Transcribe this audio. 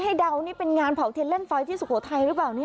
เดานี่เป็นงานเผาเทียนเล่นไฟที่สุโขทัยหรือเปล่าเนี่ย